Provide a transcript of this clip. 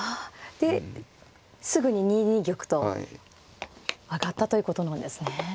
ですぐに２二玉と上がったということなんですね。